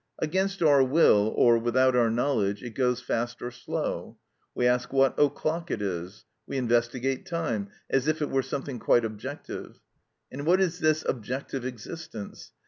Against our will, or without our knowledge, it goes fast or slow. We ask what o'clock it is; we investigate time, as if it were something quite objective. And what is this objective existence?